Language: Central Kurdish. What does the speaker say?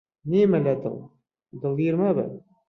نیمە لە دڵ، دڵگیر مەبە